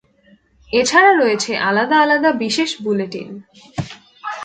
এছাড়া রয়েছে আলাদা আলাদা বিশেষ বুলেটিন।